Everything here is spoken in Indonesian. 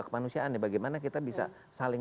kemanusiaan ya bagaimana kita bisa saling